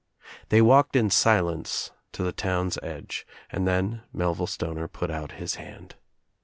They walked in silence to the town's edge and then Melville Stoner put out his hand.